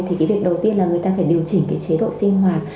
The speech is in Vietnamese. thì cái việc đầu tiên là người ta phải điều chỉnh cái chế độ sinh hoạt